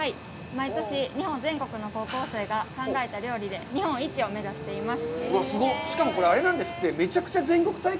毎年日本全国の高校生が考えた料理で日本一を目指しています。